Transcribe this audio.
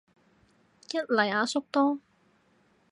一嚟阿叔多